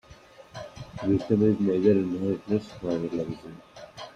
Wisdom is neither inheritance nor a legacy.